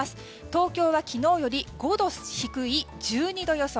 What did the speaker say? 東京は昨日より５度低い１２度予想。